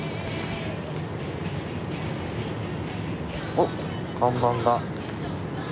おっ看板が。